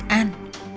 trần văn song